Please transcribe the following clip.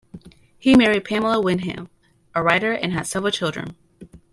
He married Pamela Wyndham, a writer, and had several children.